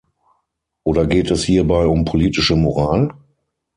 Oder geht es hierbei um politische Moral?